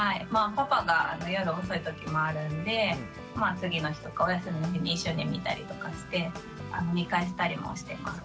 パパが夜遅いときもあるんでまあ次の日とかお休みの日に一緒に見たりとかして見返したりもしてます。